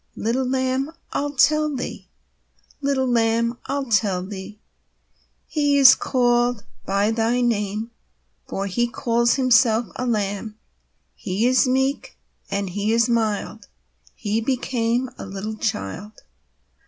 Little Lamb, I'll tell thee; Little Lamb, I'll tell thee: He is called by thy name, For He calls Himself a Lamb He is meek, and He is mild, He became a little child.